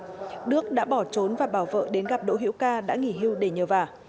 trước đó đức đã bỏ trốn và bảo vợ đến gặp đỗ hiễu ca đã nghỉ hưu để nhờ vả